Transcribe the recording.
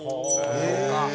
そうか。